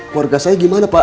keluarga saya gimana pak